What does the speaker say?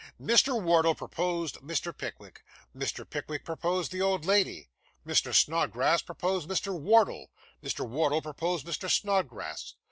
Mr. Wardle proposed Mr. Pickwick; Mr. Pickwick proposed the old lady. Mr. Snodgrass proposed Mr. Wardle; Mr. Wardle proposed Mr. Snodgrass.